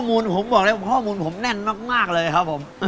มูลผมบอกได้ข้อมูลผมแน่นมากเลยครับผม